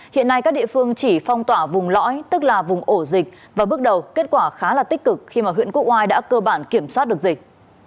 hiện nay các địa phương chỉ phong tỏa vùng lõi tức là vùng ổ dịch và bước đầu kết quả khá là tích cực khi mà huyện quốc oai đã cơ bản kiểm soát được dịch